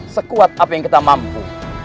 sekuat apa yang kita mampu